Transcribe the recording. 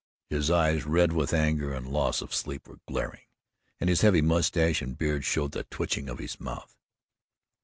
His eyes, red with anger and loss of sleep, were glaring, and his heavy moustache and beard showed the twitching of his mouth.